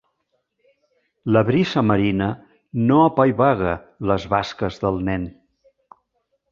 La brisa marina no apaivaga les basques del nen.